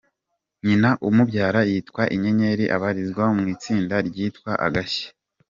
Nyina umubyara yitwa Inyenyeri abarizwa mu itsinda ryitwa Agashya.